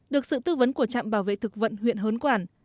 được sự tư vấn của trạm bảo vệ thực vận huyện hớn quản